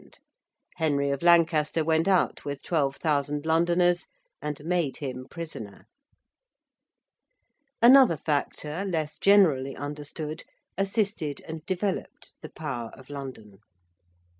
Henry of Lancaster went out with 12,000 Londoners, and made him prisoner. Another factor, less generally understood, assisted and developed the power of London.